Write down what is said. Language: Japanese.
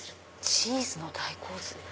「チーズの大洪水」